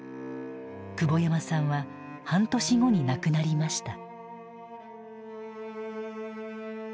久保山さんは半年後に亡くなりました。